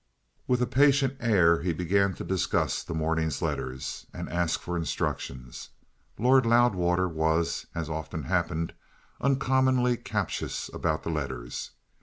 With a patient air he began to discuss the morning's letters, and ask for instructions. Lord Loudwater was, as often happened, uncommonly captious about the letters.